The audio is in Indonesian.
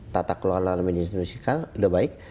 tata keluaran dalam indonesia sudah baik